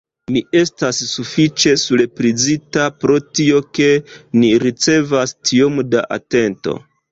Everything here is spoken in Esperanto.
Mi estas sufiĉe surprizita pro tio, ke ni ricevas tiom da atento.